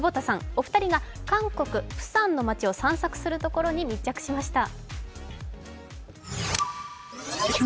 お二人が韓国・プサンの街を散策するところに密着しました。